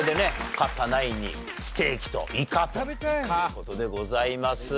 勝ったナインにステーキといかという事でございます。